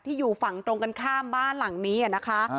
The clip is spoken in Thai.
อยู่ฝั่งตรงกันข้ามบ้านหลังนี้นะคะ